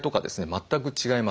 全く違います。